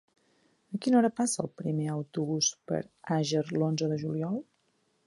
A quina hora passa el primer autobús per Àger l'onze de juliol?